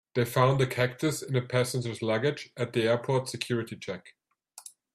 They found a cactus in a passenger's luggage at the airport's security check.